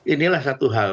inilah satu hal